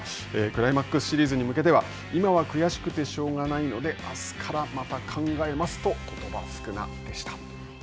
クライマックスシリーズに向けては、今は悔しくてしょうがないので、あすからまた考えますとことば少なでした。